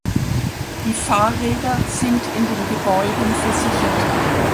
Die Fahrräder sind in den Gebäuden versichert.